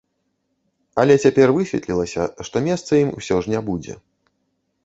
Але цяпер высветлілася, што месца ім усё ж не будзе.